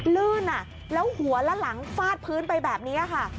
ลื่นแล้วหัวและหลังฟาดพื้นไปแบบนี้ค่ะ